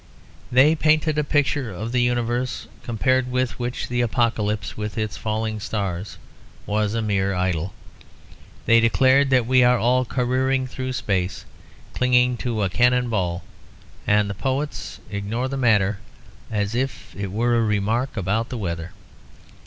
They painted a picture of the universe compared with which the Apocalypse with its falling stars was a mere idyll. They declared that we are all careering through space, clinging to a cannon ball, and the poets ignore the matter as if it were a remark about the weather.